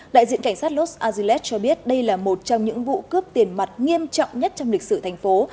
đại diện cảnh sát los angeles cho biết đây là một trong những vụ cướp tiền mặt nghiêm trọng nhất trong lịch sử thành phố